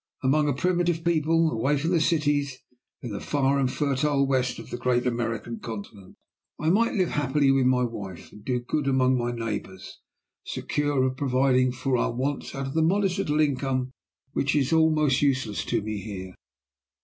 Among a primitive people, away from the cities in the far and fertile West of the great American continent I might live happily with my wife, and do good among my neighbors, secure of providing for our wants out of the modest little income which is almost useless to me here.